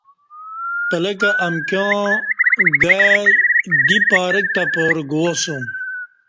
پلکہ امکیاں گائ دی پارک تہ پارہ گواسوم